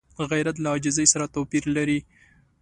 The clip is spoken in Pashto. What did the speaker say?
غیرت له عاجزۍ سره توپیر لري